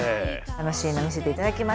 楽しいの見せていただきました。